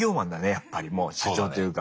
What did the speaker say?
やっぱりもう社長というか。